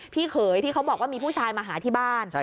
เขยที่เขาบอกว่ามีผู้ชายมาหาที่บ้าน